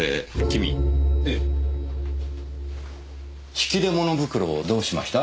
引き出物袋をどうしました？